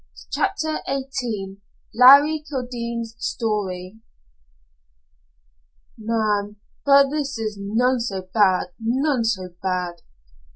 CHAPTER XVIII LARRY KILDENE'S STORY "Man, but this is none so bad none so bad."